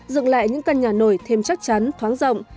dựng lại những căn nhà nổi thêm chắc chắn thoáng rộng